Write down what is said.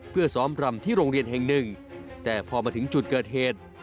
เพื่อซ้อมรำที่โรงเรียนแห่งหนึ่งแต่พอมาถึงจุดเกิดเหตุ